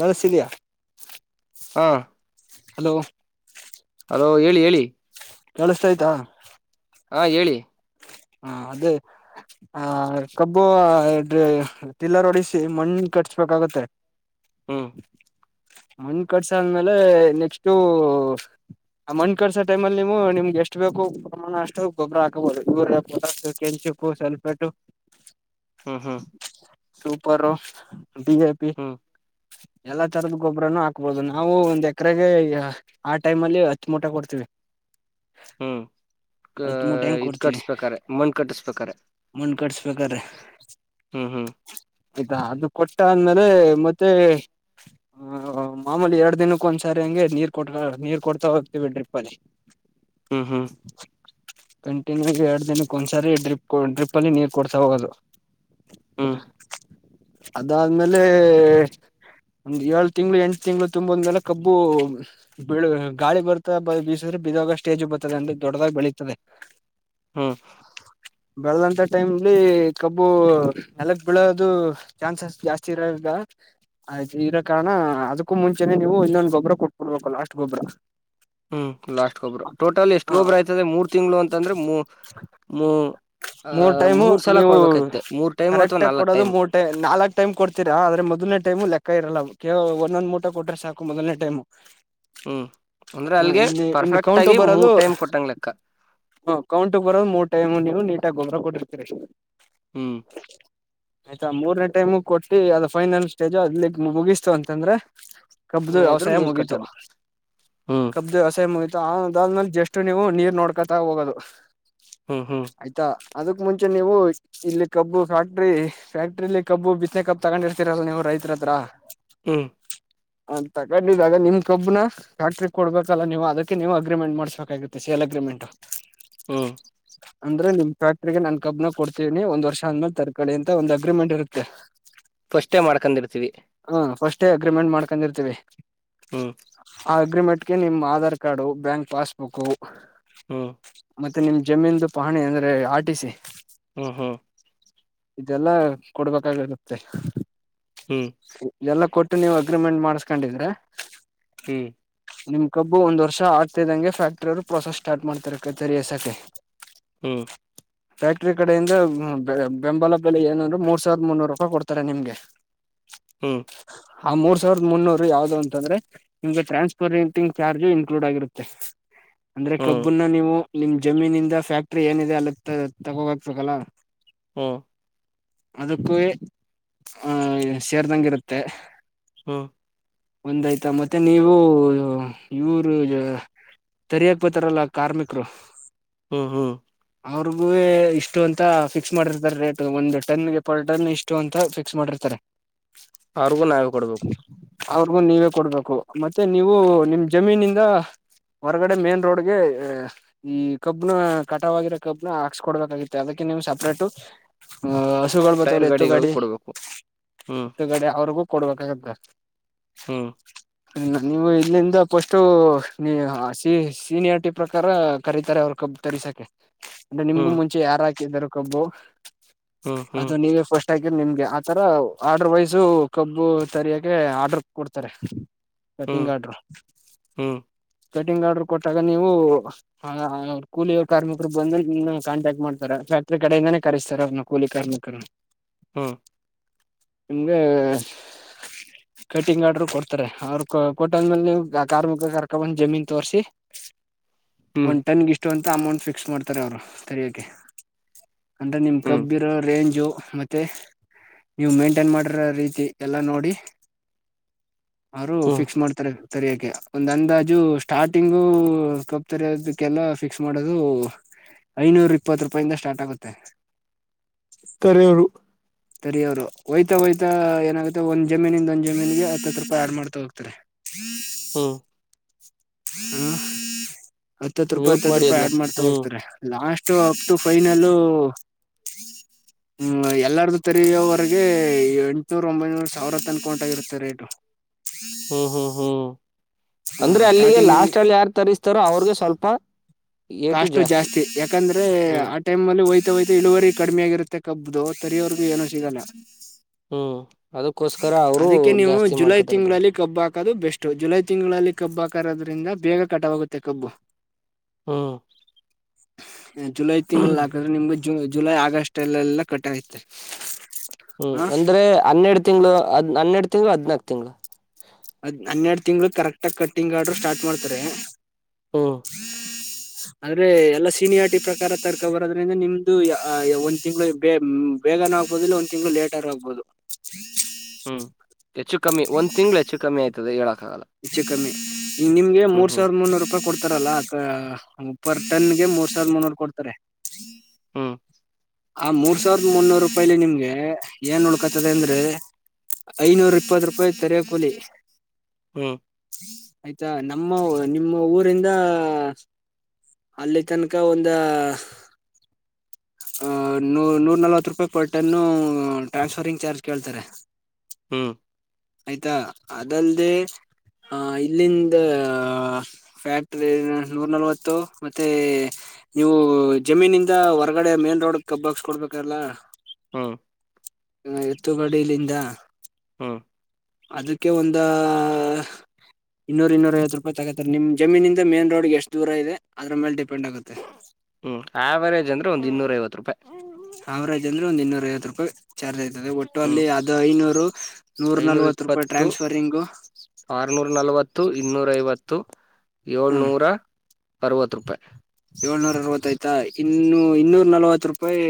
ನಳ ಸಿಯಾ ಹಾ ಹಲೋ ಹ ಹೇಳಿ ಹೇಳಿ ಕೇಳಷ್ಟ ಆಯ್ತಾ ಹಾ ಹೇಳಿ ಹಾ ಅದೇ ಆ ಕಬ್ಬು ಎಡ ತಿಲ್ಲರ ಒಡಿಸಿ ಮಂ ಕಟ್ಸ್ಬೇಕಾಗತ್ತೆ ಹ್ಮ್ ಮುಂದ್ ಕಡ್ಸಾದ್ಮೇಲೆ ನೆಕ್ಸ್ಟು ಆ ಮಣ್ ಕಳಸೋ ಟೈಮ ಅಲ್ಲಿ ನೀವು ನಿಮ್ಗೆ ಎಷ್ಟ ಬೇಕು ಪ್ರಮಾಣ ಅಷ್ಟು ಗೊಬರ ಹಾಕ್ಬಹದು ಇವ್ರ ಮು ಕೆಂಚುಕ್ಕೂ ಸವಲ್ಪಟ್ಟು ಹ್ಮ್ ಹ್ಮ್ ಸೂಪರ ಬಿಜೆಪಿ ಹ್ಮ್ ಎಲ್ಲಾ ತರದ ಗೊಬ್ಬರನು ಹಾಕ್ಬೋದು ನಾವು ಒಂದ್ ಎಕರೆಗೆ ಆ ಟೈಮ್ ಅಲ್ಲಿ ಹಚ್ಚಮಟೆ ಕೊಡ್ತೀವಿ ಹ್ಮ್ ಅ ಹತ್ತು ಮೂಟೆ ಹೆಂಗ್ ಇದ್ ಕೊಡ್ತೀವಿ ಕಟ್ಸ್ಬೇಕಾರೆ ಮಣ ಕಟ್ಟಸ್ಬೇಕಾರೆ ಕಟ್ಸ್ಬೇಕ್ರೆ ಹ್ಮ್ ಹ್ಮ್ ಆಯ್ತಾ ಅದು ಕೊಟ್ಟ ಅಂದ್ಮೇಲೆ ಮತ್ತೆ ಹ ಮಾಮೂಲಿ ಎರಡ್ ದಿನಕ್ಕ ಒಂದ್ಸರಿ ಹಂಗೆ ನೀರ್ ಕೊ ನೀರ್ ಕೊಡ್ತಾ ಹೋಗ್ತೀವಿ ಡ್ರಿಪ್ ಅಲ್ಲಿ ಹ್ಮ್ ಹ್ಮ್ ಕಂಟೀನ್ಯೂರ್ಗೆ ಎರಡು ದಿನಕ್ಕೊಂದ್ಸರಿ ಡ್ರಿಪ್ ಡ್ರಿಪ್ಲ್ಲಿ ನೀರು ಕೊಡ್ಸಾ ಹೋಗೋದು ಹಾ ಅದಾದ್ಮೇಲೆ ಒಂದ್ ಏಳು ತಿಂಗ್ಳ ಎಂಟು ತಿಂಗ್ಳ ತುಂಬದ್ಮೇಲೆ ಕಬ್ಬು ಬಿಳ ಗಾಳಿ ಬರ್ತಾ ಬ ಬೀಸ್ರ ಬಿದಾಗ ಸ್ಟೇಜ್ ಬರ್ತ್ತದೆ ಅಂದ್ರ ದೊಡ್ಡದಾಗ ಬೆಳೀತದೆ ಹ್ಮ ಬೆಳೆದಂತ ಟೈಮ್ಲ್ಲಿ ಕಬ್ಬು ನೆಲಗ್ ಬೆೀಳೋದು ಚಾನ್ಸಸ್ ಜಾಸ್ತಿ ಇರ ಈಗ ಆಯ್ತು ಇದರ ಕಾರಣ ಅದಕ್ಕೂ ಮುಂಚೆನೆ ನೀವು ಇನ್ನೊಂದು ಗೊಬ್ಬರ ಕೊಟ್ಕೊಡ್ಬೇಕು ಲಾಸ್ಟ್ ಗೊಬ್್ರರ ಹ್ಮ್ ಲಾಸ್ಟ್ ಗೊಬ್ಬರು ಟೋಟಲ್ ಎಷ್ಟ್ ಹ ಗೊಬ್ಬ್ರ ಆಯ್ತದೆ ಮೂರ್ ತಿಂಗ್ಗಳು ಅಂತಂದ್ರೆ ಮೂ ಮೂ ಆ ಮೂರ್ ಟೈಮು ಸಲ ನೀವು ಕೊಡ್ಬೇಕೈತೆ ಮೂರ್ ಟೈಮ್ ಅಥವಾ ಕರೆಕ್ಟ್ ಆಗ ನಾಲ್ಕ್ ಕೊಡೋದು ಟೈಮ್ ಮೂರ್ ಟೈ ನಾಲ್ಕ್ ಟೈಮ್ ಕೊಡ್ತಿರಾ ಆದ್ರೆ ಮದ್ೇ ಟೈಮು ಲೆಕ್ಕ ಇರಲ್ಲ ಒಂದೊಂದ್ ಮೂಟ ಕೊಟ್ರೆ ಸಾಕು ಮದನೇ ಟೈಮು ಹ್ಮ್ ಅಂದ್ರೆ ಅಲ್ಗೆ ಇಲ್ಲಿ ಇನ್ನು ಪರ್ಫೆಕ್ಟ್ ಆಗಿ ಮೂರ್ ಟೈಮ್ ಕೊಟ್ಟಂಗ್ ಲೆಕ್ಕ ಹ್ಮ ಕೌಂಟ ಬರೋದು ಮೂರ್ ಟೈಮ್ ನೀವು ನೀಟಾಗಿ ಗೊಬರ ಕೊಟ್ಟಿರ್ತೀರಿ ಹ್ಮ್ ಆಯ್ತಾ ಮೂರನೇ ಟೈಮು ಕೊಟ್ಟಿ ಅದ ಫೈನಲ್ ಸ್ಟೇಜು ಅಲ್ಲಿಗ್ ಮುಗಿಸ್ತು ಅಂತಂದ್ರೆ ಕಬ್್ದ ಇದ್ರು ವ್ಯವಸಾಯ ನೀರ್ ಮುಗಿತು ಕಟ್ಟದು ಹ್ಮ್ ಕಬ್್ದ ವ್ಯವಸಾಯ ಮುಗಿತು ಾದ್ಮೇಲೆ ಜಷ್ಟು ನೀವು ನೀರ್ ನೋಡ್ಕೊತಾ ಹೋಗೋದು ಹ್ಮ ಹ್ಮ್ ಆಯ್ತಾ ಅದಕ್ ಮುಂಚೆ ನೀವು ಇಲ್ಲಿ ಕಬ್ಬು ಫ್ಯಾಕ್ಟ್ರಿ ಫ್ಯಾಕ್ಟ್ರಿಲಿ ಕಬ್ಬು ಬಿಸ್ನೆ ಕಬ್ು ತಗೊಂಡಿರ್ತ ತ್ತರಲ್ಲ ನೀವು ರೈತ್ರರ ಹತ್ರ ಹ್ಮ್ ಅ ತಗೊಂಡಿದಾಗ ನಿಮ್ ಕಬ್ಬನ ಫ್ಯಾಕ್ಟ್ರಿ ಕೊಡ್ಬೇಕಲ್ಲ ನೀವು ಅದಕ್ಕೆ ನೀವು ಅಗ್ರಿಮೆಂಟ್ ಮಾಡ್ಸ್ಬೇಕಾಗತ್ತೆ ಎಲಮೆಂಟ ಹ್ಮ್ ಅಂದ್ರೆ ನಿಮ್ ಫ್ಯಾಟ್ರಿಗೆ ನನ್ ಕಬ್ಬನ ಕೊಡ್ತೀನಿ ಒಂದ್ ವರ್ಷ ಆದ್ಮೇಲೆ ತರಕಳ ಅಂತ ಒಂದು ಅಗ್ರಿಮೆಂಟ್ ಇರುತ್ತೆ ಫಸ್ಟೇ ಮಾಡ್ಕೊಂಡಿರ್ತೀವಿ ಹಾ ಫಸ್ೇ ಅಗ್ರಿಮೆಂಟ್ ಮಾಡ್ಕೊಂಡಿರ್ತೀವಿ ಹ್ಮ್ ಹಾಗೆ ಅಗ್ರಿಮೆಂಟ್ಗೆ ನಿಮ್ಮ ಆಧಾರ್ ಕಾರ್ಡ್ ಬ್ಯಾಂಕ್ ಪಾಸ್ಬುಕ್ ಹ್ಮ ಮತ್ತೆ ನಿಮ್ ಜಮೀನ್ ಪಹಾಣಿ ಅಂದ್ರೆ ಆರ್ ಟಿ ಸಿ ಹ್ಮ್ ಹ್ಮ್ ಇದೆಲ್ಲಾ ಕೊಡ್ಬೇಕಾಗಿರುತ್ತೆ ಹ್ಮ್ ಎಲ್ಲಾ ಕೊಟ್ಟು ನೀವು ಅಗ್ರಿಮೆಂಟ್ ಮಾಡಸ್ಕೊಂಡಿದ್ರೆ ಹ್ಮ್ ನಿಮ್ ಕಬ್ಬು ಒಂದ್ ವರ್ಷ ಆಗ್ತಿದಂ ಫ್ಯಾಕ್ಟ್ರಿ ಅವರು ಪ್ರೊಸೆಸ್ ಸ್ಟಾರ್ಟ್ ಮಾಡ್ತರ ಕೈತರಿ ಎಸಕೆ ಹ್ಮ್ ರಿ ಕಡೆಯಿಂದ ಬೆಂಬಲ ಬೆಲೆ ಏನಂದ್ರರು ಮೂರ್ ಸಾವಿರದ ಮುನ್ನೂರು ರೂಪಾಯಿ ಕೊಡ್ತಾರೆ ನಿಮ್ಗೆ ಹ್ಮ್ ಆ ಮೂರ್ ಸಾವಿರದ ಮುನ್ನೂರು ಯಾವ್ದದು ಅಂತ ಅಂದ್ರೆ ನಿಮ್ಗೆ ಟ್ರಾನ್ಪರಂಟಿಂಗ್ ಚಾರ್ಜು ಇನ್ಕ್ಲೂಡ್ ಆಗಿರುತ್ತೆ [inaudible] ಅಂದ್ರೆ ಕಬ್ಬುನ್ನ ನೀವು ನಿಮ್ ಜಮೀನಿಂದ ಫ್ಯಾಕ್ಟ್ರಿ ಏನಿದೆ ಅಲ್ಲಿ ತಗೋ ಹಕ್ಬೇಕಲ್ಲ ಹಾಂ ಅದಕ್ಕ ಆಹ ಸೇರ್ದಂಗ ಇರುತ್ತೆ ಹ್ಮ ಒಂದಾಯ್ತಾ ಮತ್ತೆ ನೀವು ಇವರು ಸರಿಯಾಕ್ ಬತಾರಲ್ಲ ಕಾರ್ಮಿಕರು ಹ್ಮ್ ಹ್ಮ್ ಅವ್ರಗೂ ಇಷ್ಟು ಅಂತ ಫಿಕ್ಸ್ ಫಿಕ್ಸ್ ಮಾಡಿರ್ತಾರೆ ರೇಟ್ ಒಂದು ಟನ್ ಗೆಫಲ್ ಟನ್ ಇಷ್ಟು ಅಂತ ಫಿಕ್ಸ್ ಮಾಡಿರ್ತಾರೆ ಅವ್ರಗೂ ನಾವ ಕೊಡ್ಬೇಕು ಅವ್ರಿಗು ನೀವೇ ಕೊಡ್ಬೇಕು ಮತ್ತೆ ನೀವು ನಿಮ ಜಮೀನಿಂದ ಹೊರಗಡೆ ಮೇನ್ ರೋಡ್ಗೆ ಈ ಕಬ್ನ ಕಟವಾಗಿರೋ ಕಬ್ನ ಹಾಕ್ಸ್ಕಡ್ಬೇಕಾಗಿತ್ತು ಅದಕ್ಕೆ ನಿಮ್ ಸ ಟ್ಟು ಹಸುಗಳು ಟೈರ್ ಬತ್ತವ್ರ ಎತ್ತು ಗಾಡಿಗಳಿಗೂ ಗಾಡಿ ಕೊಡ್ಬೇಕು ಹ್ಮ್ ಎತ್ತು ಗಾಡಿ ಅವ್ರಿಗೂ ಕೊಡ್ಬೇಕಾಗತ್ತ ಹ್ಮ್ ನೀವು ಇಲ್ಲಿಂದ ಫಸ್ನೀ ಸೀನಿಯಾರಿಟಿ ಪ್ರಕಾರ ಕರೀತಾರೆ ಅವರು ಕಬ್ ತರಿ ಸಕ ಅಂದ್ರೆ ನಿಮ್ಗು ಹ್ಮ್ ಮುಂಚೆ ಯಾರು ಹಾಕಿದಾರ ಕಬ್ಬು ಹ್ಮ್ ಹ್ಮ್ ಅದು ನೀವೇ ಫಸ್ಟ್ ಟೈಗರ್ ನಿಮ್ಗೆ ಆತರ ಆರ್ಡರ್ ವೈಸ ಕಬ್ಬು ತರಿಯಕೆ ಆರ್ಡರ್ ಕೊಡ್ತಾರೆ ಕಟಿಂಗ ಹ್ಮ್ ಹ್ಮ್ ಕಾರಾರ್ಡ್ರ ಹ್ಮ್ ಸಫೆಟಿಂಗ್ ಆರ್ಡರ್ ಕೊಟ್ಟಾಗ ನೀವು ಕೂಲಿಯ ಕಾರ್ಮಿಕರು ಬಂದು ನಿಮ ಕಾಂಟ್ಯಾಕ್ಟ್ ಮಾಡ್ತಾರೆ ಕಡೆಯಿಂದಾನೇ ಕರೆಸ್ತಾರೆ ಅವ್ರನ್ನ ಕೂಲಿ ಕಾರ್ಮಿಕರು ಹ್ಮ ನಿಮ್ಗೆ ಹ ಕಟಿಂಗ್ ಆಡ್ರರು ಕೊಡ್ತಾರೆ ಅವ್ರರು ಕೊಟಲ್ ಮೇಲೆ ನೀವು ಕಾರ್ಮಿಕ ಕರ್ಕ ಬಂದ್ ಜಮೀನ್ ತೋರ್ಸಿ ಒಂದ್ ಟನ್ಗೆ ಇಷ್ಟು ಅಂತ ಅಮೌಂಟ್ ಫಿಕ್ಸ್ ಮಾಡ್ತಾರೆ ಅವರು ತೆರಯೋಕ್ಕೆ ಅಂದ್ರೆ ನಿಮ್ ಹ್ಮ್ ಕಬ್ಬಿರೋ ರೇಂಜು ಮತ್ತೆ ನೀವು ಮೇಂಟೈನ್ ಮಾಡಿರೋ ರೀತಿ ಎಲ್ಲ ನೋಡಿ ಅವರು ಹ್ಮ್ ಫಿಕ್ಸ್ ಮಾಡ್ತಾರೆ ತರಕೆ ಒಂದ್ ಅಂದಾಜು ಸ್ಟಾರ್ಟಿಂಗು ಸ್ಕಪ್ ತರೋದಕ್ಕೆಲ್ಲ ಫಿಕ್ಸ್ ಮಾಡೋದು ಐನೂರ ಇಪ್ಪತ್ ರೂಪಾಯಿಂದ ಸ್ಟಾರ್ಟ್ ಆಗುತ್ತೆ ತರೆಯೂರು ಸರಿ ಅವ್ರು ಒಯ್ತ ಒಯ್ತ ಏನಾಗುತ್ತೆ ಒಂದ್ ಜಮೀನಿಂದ ಒಂದ್ ಜಮೀನ್ಗೆ ಹತ್ತತ್ ರೂಪಾಯಿ ಆಡ್ ಮಾಡ್ತಾ ಹೋಗ್ತಾರೆ ಹ್ಮ ಹ್ಮ ಹತ್ತತ್ ರೂಪಾಯಿ ಮ್ಯೂಟ್ ಹತ್ತತ್ ಮಾಡಿ ರೂಪಾಯಿ ಅದ್ನ ಆಡ್ ಮಾಡ್ತಾ ಹ್ಮ್ ಹೋಗ್ತಾರೆ ಲಾಸ್ಟ್ ಅಪ್ತು ಫೈನಲ್ ಹ್ಮ್ ಎಲ್ಲಾರ್ದು ತೆರೆಯುವವರೆಗೆ ಎಂಟುನೂರ ಒಂಬೈನೂರ ಸಾವಿರ ಅನ್ಕೊಂಟಾಗಿರುತ್ತೆ ರೇಟ ಹ ಹ್ಮ್ ಹ್ಮ್ ಹ್ಮ್ ಹ್ಮ ಅಂದ್ರೆ ಅಲ್ಲಿಗೆ ಸ್ಟಾರ್ಟಿಂಗ್ ನಿಮ್ ಲಾಸ್ಟ್ ಅಲ್ಲಿ ಯಾರ್ ತರಿಸ್ತಾರೋ ಅವ್ರಗೆ ಸ್ವಲ್ಪ ಕಾಸ್ಟ್ ಜಾಸ್ತಿ ಯಾಕಂದ್ರೆ ಹ್ಮ್ ಆ ಟೈಮ್ ಅಲ್ಲಿ ಹಯ್ತ ಯತ ಇಳುವರಿ ಕಡಿಮ ಆಗಾಗಿರುತ್ತೆ ಕಬ್ಬುದುು ತರಿಯೋವರ್ಗೂ ಏನನು ಸಿಗಲ್ಲ ಹ್ಮ್ ಅದಕ್ಕೋಸ್ಕರ ಆ ಅದಕ್ಕೆ ನೀವು ಜುಲೈ ತಿಂಗಳಲ್ಲಿ ಕಬ್ಬ ಹಾಕೋದು ಬೆಸ್ಟ್ ಜುಲೈ ತಿಂಗಳಲ್ಲಿ ಕಬ್ ಹಾಕರೋದ್ರಿಂದ ಬೇಗ ಕಟವಾಗುತ್ತೆ ಕಬ್ಬು ಹ್ಮ್ ಜುಲೈ ತಿಂಗಳ ಹಾಕಿದ್ರೆ ನಿಮ್ಗೆ ಜ ಜುಲೈ ಆಗಸಲ್ಲ ಕಟ್ಟಗೆ ಹ್ಮ್ ಅಂದ್ರೆ ಹನ್ನೆರಡು ತಿಂಳು ಹದ್ ಹನ್ನೆರಡು ತಿಂಳ ಹದ್ನಾಕ್ ತಿಂಗಳು ಅದ್ ಹನ್ನೆರಡು ತಿಂಗ್ಳ ಕರೆಕ್ಟ್ ಆಗ ಕಟ್ಟಿಂಗ್ ಆ್ರರು ಸ್ಟಾರ್ಟ್ ಮಾಡ್ತಾರೆ ಹ ಆದಂದ್ರೆ ಎಲ್ಲಾ ಸೀನಿಯಾರಿಟಿ ಪ್ರಕಾರ ತರ್ಕ ಬರೋದ್ರಿಂದ ನಿಮ್ದು ಒಂದ್ ತಿಂಗಳು ಬೇಗನ ಆಗ್ಬೋದಿಲ್ಲ ಒಂದ ತಿಂಗಳು ಲೇಟ್ ಆರ್ ಆಗ್ಬಹುದು ಹ್ಮ್ ಹೆಚ್ಚು ಕಮ್ಮಿ ಒಂದ್ ತಿಂಗ್ಗಳು ಹೆಚ್ಚು ಕಮ್ಮಿ ಆಯ್ತದೆ ಹೇಳಕ್ ಆಗಲ್ಲ ಹೆಚ್ಚು ಕಮ್ಮಿ ಈ ನಿಮಗೆ ಹ್ಮ್ ಮೂರ್ ಸಾವಿರದ ಮುನೂರು ರೂಪಾಯಿ ಕೊಡ್ತ ಕೊತಾರಲ್ಲ ಅ ಪರ್ ಟನ್ಗೆ ಮೂರ್ ಸಾವಿರದ ಮುನ್ನೂರು ಕೊಡ್ತಾರೆ ಹ್ಮ ಆ ಮೂರ್ ಸಾವಿರದ ಮುನ್ನೂರು ರೂಪಾಯಿಲಿ ನಿಮ್ಗೆ ಏನ್ ನೋಡ್ಕತದ ಅಂದ್ರೆ ಐನೂರ ಇಪ್ಪತ್ ರೂಪಾಯಿ ತರಕಲಿ ಹ್ಮ್ ಆಯ್ತಾ ನಮ್ಮ ನಿಮ್ಮ ಊರಿಂದ ಅಲ್ಲಿ ತನಕ ಒಂದ ನೂ ನೂರ ನಲ್ವತ್ತು ರೂಪಾಯಿ ಪಟನ್ನು ಟ್ರಾನ್ಸ್ಫರಿಂಗ್ ಚಾರ್ಜ್ ಕೇಳ್ತಾರೆ ಹ್ಮ್ ಆಯ್ತಾ ಅದಲ್ಲದೆೇ ಆಹ ಇಲ್ಲಿಂದ ಫ್ಯಾಕ್ಟ್ರಿ ನೂರ್ ನಲ್ವತ್ತು ಮತ್ತೆ ನೀವು ಜಮೀನಿಂದ ಹೊರ್ಗಡೆ ಮೇನ್ ರೋಡ್ ಕಬ್ಬಕ್ಸ್ ಕೊಡ್ಬೇಕಲ್ಲ ಹ್ಮ ಎತ್ತುಗಡಲ್ಲಿಂದ ಹ್ಮ ಅದಕ್ಕೆ ಒಂದ ಇನ್ನೂರ್ ಇನ್ನೂರ ಐವತ್ತು ರೂಪಾಯಿ ತಗತ ನಿಮ್ ಜಮೀನಿನಿಂದ ಮೇನ್ ರೋಡ್ಗೆ ಎಷ್ಟು ದೂರ ಇ ಅದ್ರ ಮೇಲೆ ಡಿಪೆಂಡ್ ಆಗುತ್ತೆ ಹ್ಮ್ ಆವರೇಜ್ ಅಂದ್ರೆ ಒಂದು್ ಇನ್ನೂರ ಐವತ್ತು ರೂಪಾಯಿ ಸಾವರಾಜ್ಂದ್ರ ಒಂದು ಇನ್ನೂರೈವತ್ತು ರೂಯ ಚಾರ್ಜ್ಐತೆ ಒಟ್ಟು ಹ್ಮ್ ಅಲ್ಲಿ ಅದು ಐನೂರು ನೂರ ಐನೂರ ನಲ್ವತ್ ರೂಪಾಯಿ ಇಪ್ಪತ್ತು ಟ್ರಾನ್ಸ್ಫರಿಂಗು ಆರ್ನೂರ ನಲವತ್ತು ಇನ್ನೂರ ಐವತ್ತು ಹ್ಮ ಏಳ್ನೂರ ಅರವತ್ತು ರೂಪಾಯಿ ಏಳ್ನೂರ ಅರವತ್ತಾಯ್ತಾ ಇನ್ನುೂ ಇನ್ನೂರ ನಲ್ವತ್ ರೂಪಾಯಿ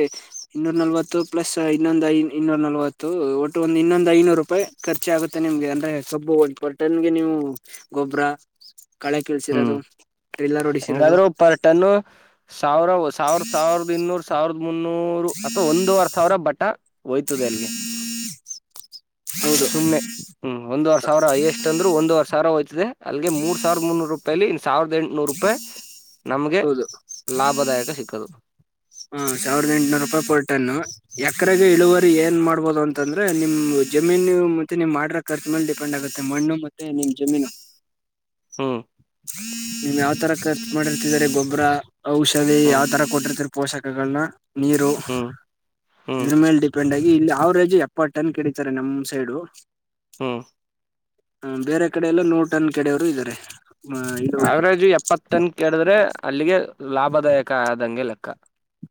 ಇನ್ನೂರ ನಲ್ವತ್ತು ಪ್ಲಸ್ ಇನ್ನೊಂದು ಐ ಇನ್ನೂರ ನಲ್ವತ್ತು ಒಟ್ಟು ಒಂದು ಇನ್ನೊಂದು ಐನೂರು ರಪಾಯ ಖರ್ಚಿ ಆಗುತ್ತೆ ನಿಮಗೆ ಅಂದ್ರೆ ಸಬ್ಬು ಮಟನ್ಗೆ ನೀವು ಗೊಬರ ಕಳೆ ಕೀಳಸರೋದು ಹ್ಮ್ ಟ್ರಿಲ್ಲರ್ ಹೊಡಿಸಿರೋದು ಹೆಂಗಾದ್ರು ಪರ್ ಟನ್ನು ಸಾವಿರ ಸಾವಿರ ಸಾವಿರದ ಇನ್ನೂರು ಸಾವಿರದ ಮುನ್ನೂರ ನೂರು ಅಥವಾ ಒಂದೂವರ್ ಸಾವಿರ ಬಟ್ಟ ಹೋಯ್ತದೆ ಎಲ್ಲಿಗೆ ಹೌದು ಸುನೆ ಹ್ಮ್ ಒಂದುವರ್ ಸಾವಿರ ಎಷ್ಟ ಅಂದ್ರು ಒಂದುವರೆ ಸಾವಿರ ಹೋಯ್ತದೆ ಅಲ್ಲಿಗೆ ಮೂರ್ ಸಾವಿರದ ಮುನ್ನೂರು ರೂಪಾಯಲಿ ಇ ಸಾವಿರದ ಎ ನೂರು ರೂಪಾಯಿ ನಮ್ಗೆ ಲಾಭದಾಯಕ ಸಿಕ್ಕದು ಹಾ ಸಾವಿರದ ಎಂಟನೂರು ರೂಪಾಯಿ ಪೋಲ್ಟನ್ನು ಎಕರೆ ಇಳುವರಿ ಏನ್ ಮಾಡ್ಬೋದು ಅಂತಂದ್ರೆ ನಿಮ್ ಜಮೀನು ಮತ್ತೆ ನೀಮ್ ಮಾಡ್ರ ರ್ಚ್ ಮೇಲೆ ಡಿಪೆಂಡ್ ಆಗುತ್ತೆ ಮಣ್ಣು ಮತ್ತೆ ನಿಮ್ ಜಮೀನು ಹ್ಮ ನೀಮ್ ಯಾವ್ ತರ ಖರ್ಚು ಮಾಡಿರ್ತಿದಿದ್ದಾರೆ ಗೊಬ್ಬರ ಔಷಧಿ ಹ್ಮ್ ಯಾವ್ ತರ ಕೊಟ್ಟಿರ್ತರ ಪೋಷಕಗಳನ್ನ ನೀರು ಹ್ಮ್ ಹ್ಮ್ ಇದ್ರ ಮೇಲ್ ಡಿಪೆಂಡ್ ಆಗಿ ಇಲ್ಲಿ ಅವರೇಜ್ ಎಪ್ಪತ್ತು ಟನ್ ಕಡೀತಾರೆ ನಮ್ ಸೈಡು ಹ್ಮ್ ಹ ಬೇರೆ ಕಡೆ ಎಲ್ಲ ನೂರು ಟನ್ ಕೆಡೆಯವರು ಇದ್ದಾರೆ ಇಳುವರಿ ಇಪ್ಪತ್ತ ಟನ್ ಕೆಡಿದ್ರೆ ಅಲ್ಲಿಗೆ ಲಾಭದಾಯಕ ಆದಂಗೆ ಲೆಕ್ಕ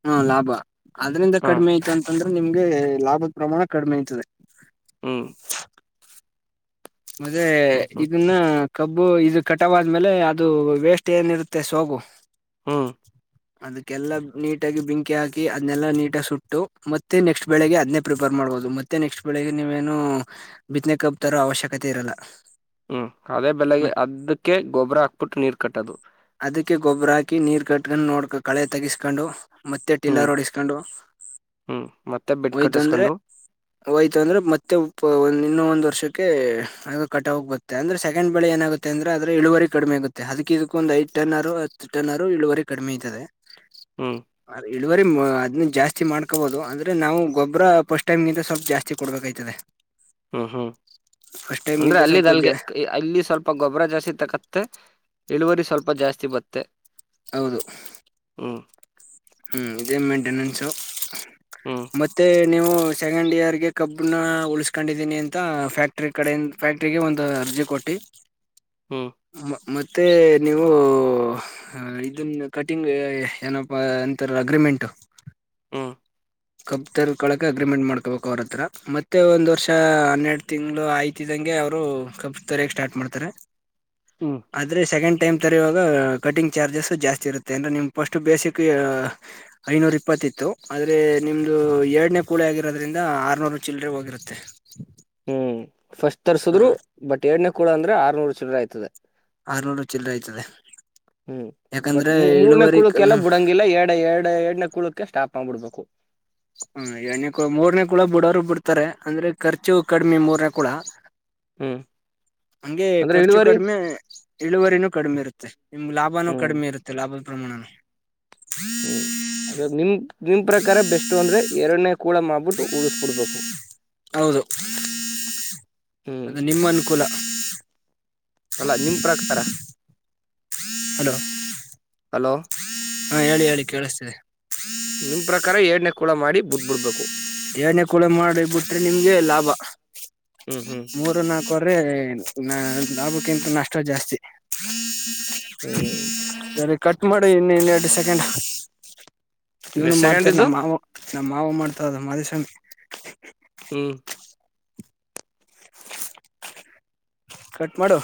ಹ್ಮ ಲಾಭ ಅದ್ರಿಂದ ಹ ಕಡಿಮೆ ಐ್ತ ಅಂತಂದ್ರೆ ನಿಮ್ಗೆ ಲಾಭದ ಪ್ರಮಾಣ ಕಡಿಮೆ ಆ್ತದೆ ಹ್ಮ್ ಮತ್ತೆ ಹ್ಮ್ ಹ್ಮ್ ಇದನ್ನ ಕಬ್ಬು ಇದು ಕಟವಾದ್ಮೇಲೆ ಅದು ವೇಸ್ಟ್ ಏನಿರುತ್ತೆ ಸೋಗು ಹ್ಮ್ ಅದಕ್ಕೆಲ್ಲಾ ನೀಟಾಗಿ ಬೆಂಕಿ ಹಾಕಿ ಅದ್ನೆಲ್ಲಾ ನೀಟಗ ಸುಟ್ಟು ಮತ್ತೆ ನೆಕ್ಸ್ಟ್ ಬೆಳಗ್ಗೆ ಅದ್ ಪ್ರಿಪೇರ್ ಮಾಡಿ ಮಾಡ್ಬೋದು ಮತ್ತೆ ನೆಕ್ಸ್ಟ್ ಬೆಳಿಗ್ ನೀವೇನು ಬಿನೆ ಕಬ್ತಾರೋ ಅವಶ್ಯಕತೆ ಇರಲ್ಲ ಹ್ಮ್ ಅದೇ ಬೆಲೆಗೆ ಅದಕ್ಕೆ ಗೊಬ್ಬರ ಹಾಕ್ಬಿಟ್ಟು ನೀರು ಕಟ್ಟದು ಅದಕ್ಕೆ ಗೊಬ್ಬರ ಹಾಕಿ ನೀರ್ ಕಟ್ಕೊಂಡು ನೋಡ್ಕ ಕಳೆ ತಗಿಸ್ಕೊಂಡು ಮತ್ತೆ ಹ್ಮ್ ಟಿಲ್ಲರ್ ಹೊಓಡಿಸ್ಕೊಂಡು ಹ್ಮ್ ಮತ್ತೆ ಬೆಡ್ ಹಯ್ತ ಅಂದ್ರೆ ಕಟ್ಟಿಸ್ಕೊಂಡು ಹಯ್ತ ಅಂದ್ರೆ ಮತ್ತೆ ಒ ಇನ್ನೂ ಒಂದ್ ವರ್ಷಕ್ಕೆ ಅದು ಕಟ ಹೋಗ್ ಬತ್ತೆ ಅ್ರ ಸೆಕೆಂಡ್ ಬೆಳ ಏನಾಗುತ್ತೆ ಅಂದ್ರೆ ಅ್ರ ಇಳುವರಿ ಕಡಿಮೆ ಆಗೆ ಅದಕ್ಕ ಇದಕ್ಕ ಒಂದ ಐದು ಟನ್ ತಟ್ಟನಾರು ಇಳುವರೆ ಕಡಿಮೆ ತದೆ ಹ್ಮ್ ಡೆಲಿವರಿ ಅದನ್ನ ಜಾಸ್ತಿ ಮಾಡ್ಕೊಬೋದು ಅಂದರೆ ನಾವು ಗೊಬ್ಬರ ಫಸ್ಟ್ ಟೈಮ್ಗಿಂತ ಸ್ವಲ್ಪ ಜಾಸ್ತಿ ಕೊಡ್ಬೇಕಾಯ್ತದೆ ಹ್ಮ್ ಹ್ಮ್ ಫಸ್ಟ್ ಅಂದ್ರೆ ಟೈಮ್ಗಿಂತ ಅಲ್ಲಿ ಸ್ವಲ್ಪ ಅಲ್ಗೆ ಜಾ ಅಲ್ಲಿ ಸ್ವಲ್ಪ ಗೊಬ್ಬರ ಜಾಸ್ತಿ ತಕತ್ತೆ ಇಳುವರಿ ಸ್ವಲ್ಪ ಜಾಸ್ತಿ ಬತ್ತೆ ಹೌದು ಹ್ಮ್ ಹ್ಮ್ ಇದೇ ಮೈನ್ಟೆನೆನ್ಸು ಹ್ಮ ಮತ್ತೆ ನೀವು ಸೆಕೆಂಡ್ ಇಯರ್ ಗೆ ಕಬ್ನ ಉಳಸ್ಕೊಂಡಿದ್ದೀನಿ ಅಂತ ಫ್ಯಾಕ್ಟ್ರಿ ಕಡೆಿಂದ ಫ್ಯಾಕ್ಟ್ರಿ ಒಂದು ಅರ್ಜಿ ಕೊಟ್ಟಿ ಹ್ಮ್ ಮೆ ನೀವು ಇದನ್ನು ಕಟಿಂಗ್ ಏನಪ್ಪಾ ಅ ಅಗ್ರಿಮೆಂಟ್ ಹ್ಮ್ ಕಬ್ ತರ್ಕೊಕ ಅಗ್ರಿಮೆಂಟ್ ಮಾಡ್ಕೋಬೇಕು ಅವ್ರತ್ರ ಮತ್ತೆ ಒಂದ್ ವರ್ಷ ಹನ್ನೆರಡು ತಿಂಗ್ಗಳು ಆಯ್ತಿದಂಗೆ ಅವರು ಕ ತೊರಕ್ ಸ್ಟಾರ್ಟ್ ಮಾಡ್ತಾರೆ ಹ್ಮ್ ಆದ್ರೆ ಸೆಕೆಂಡ್ ಟೈಮ್ ತರೆಯುವಾಗ ಕಟಿಂಗ್ ಚಾರ್ಜಸ್ಸು ಜಾಸ್ತಿ ಇರುತ್ತೆ ಅಂದರೆ ನಿಮ್ಮ ಫಸ್ಟು ಬೇಸಿಿಗೆ ಐನೂರ ಇಪ್ಪತ್ತಿತ್ತು ಆದ್ರೆ ನಿಮ್ದು ಎರಡನೇ ಕೂಳಿ ಆಗಿರೋದ್ರಿಂದ ಆರ್ನೂರು ಚಿಲ್ಡ್ರೆ ಹೋಗಿರತ್ತೆ ತ್ತ ಹ್ಮ್ ಫಸ್ಟ್ ತರ್ಸದ್ರು ಬಟ್ ಎಏಡ್ನೇ ಕೂಡ ಅಂದ್ರೆ ಆರ್ನೂರು ಚಲರ ಆಯ್ತದೆ ಆರ್ನೂರು ಚಿಲ್ಲರ ಆಯ್ತದೆ ಹ್ಮ್ ಬಟ್ ಯಾಕಂದ್ರೆ ಮೂರ್ನೇ ಇಳುವರಿ ಕುಳಕೆಲ್ಲ ಬುಡಂಗಿಲ್ಲ ಎರಡು ಎರಡು ಎರಡನ ಕುಳಕಕ್ಕೆ ಸ್ಟಾಪ್ ನ್ಬಿಡ್ಬೇಕು ಹ್ಮ ಎರಡನೇ ಕೂಡ ಮೂರ್ನೇ ಕೂಡ ಬಿುಡೋರು ಬಿಡ್ತಾರೆ ಅಂದ್ರೆ ಖರ್ಚು ಕಡಿಮಿ ಮೂರನ ಕೂಡ ಹ ಹಂಗೆ ಖರ್ಚು ಕಡಿಮೆ ಇಳುವರಿನೂ ಕಡಿಮೆ ಇರುತ್ತೆ ನಿಮ್ ಲಾಭನೂ ಹ್ಮ್ ಕಡಿಮೆ ಇರುತ್ತೆ ಲಾಭ ಪ್ರಮಾಣ ಹ್ಮ್ ಅದ ನಿಮ ನಿಮ್ ಪ್ರಕಾರ ಬೆಸ್ಟ್ ಅಂದ್ರೆ ಎರಡನೇ ಕೂಳ ಮಾಡ್ಬಿಟ್ಟು ಉಳಸ್ಬಿಡ್ಬೇಕು ಹೌದು ಹ್ಮ್ ಅದು ನಿಮ್ಮ ಅನುಕೂಲ ಅಲ್ಲ ನಿಮ ಪ್ರಕಾರ ಹಲೋ ಹಲೋ ಹಾ ಹೇಳಿ ಹೇಳಿ ಕೇಳಿಸ್ತಿದೆ ನಿಮ ಪ್ರಕಾರ ಎರಡನೇ ಕಳ ಮಾಡಿ ಬಿಟ್ಬಿಡ್ಬೇಕು ಏನೇ ಕೂಳ ಮಾಡಿ ಬಿಟ್ರೆ ನಿಮ್ಗೆ ಲಾಭ ಹ್ಮ್ ಹ್ಮ್ ಮೂರು ನಾಕ ವರ್ಷ ಅ್ರೆ ನ ಲಾಭಕ್ಕಿಂತ ನಷ್ಟ ಜಾಸ್ತಿ ಹ್ಮ್ ಸರಿ ಕಟ್ ಮಾಡಿ ಇನ್ನ ಇನ್ನ ಎರಡು ಸೆಕೆಂಡ್ ಇವನು ಸೆಕೆಂಡ್ ಮಾಡ್ತಾರ ಇದ್ದು ನಮ್ಮ್ ಮಾವ ನಮ್ಮ ಮಾವ ಮಾಡ್ತದು ಮಧಸ್ವಾಮಿ ಹ್ಮ್ ಕಟ್ ಮಾಡು